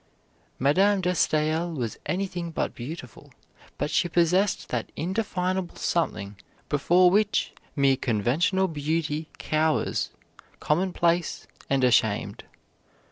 Madame de Staël was anything but beautiful, but she possessed that indefinable something before which mere conventional beauty cowers, commonplace and ashamed.